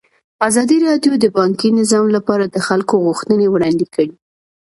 ازادي راډیو د بانکي نظام لپاره د خلکو غوښتنې وړاندې کړي.